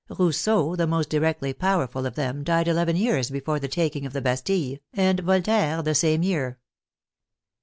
Rousseau, the most directly powerful of them, died eleven years before the taking of the Bastille, and Voltaire the same year.